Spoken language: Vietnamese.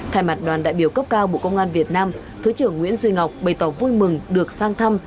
thay mặt đoàn đại biểu cấp cao bộ công an việt nam thứ trưởng nguyễn duy ngọc bày tỏ vui mừng được sang thăm